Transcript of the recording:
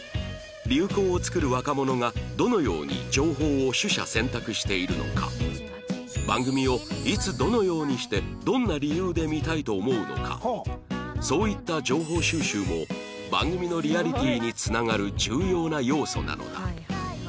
流行を作る若者がどのように情報を取捨選択しているのか番組をいつどのようにしてどんな理由で見たいと思うのかそういった情報収集も番組のリアリティにつながる重要な要素なのだ